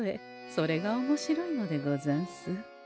それがおもしろいのでござんす。